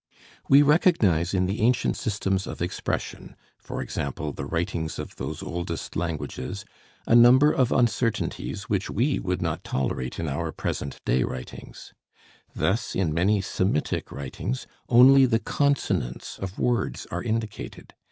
We recognize in the ancient systems of expression, e.g., the writings of those oldest languages, a number of uncertainties which we would not tolerate in our present day writings. Thus in many Semitic writings only the consonants of words are indicated.